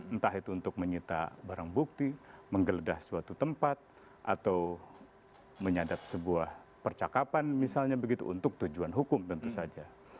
entah itu untuk menyita barang bukti menggeledah suatu tempat atau menyadap sebuah percakapan misalnya begitu untuk tujuan hukum tentu saja